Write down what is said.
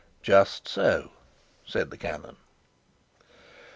"Just so," said the canon.